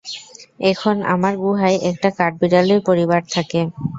এখন আমার গুহায় একটা কাঠবিড়ালীর পরিবার থাকে।